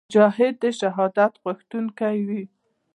مجاهد د شهادت غوښتونکی وي.